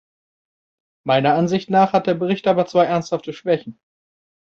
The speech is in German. Meiner Ansicht nach hat der Bericht aber zwei ernsthafte Schwächen.